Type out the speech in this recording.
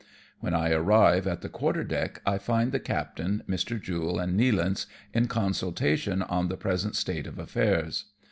When I arrive on the quarter deck I find the captain, Mr. Jule, and JSTealance in consultation on the present state of affairs.